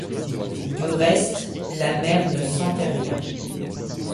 Du reste, la mer « ne sentait rien ».